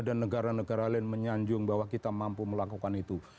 dan negara negara lain menyanjung bahwa kita mampu melakukan itu